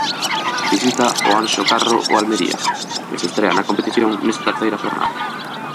Visita o Anxo Carro o Almería, que se estrea na competición nesta terceira xornada.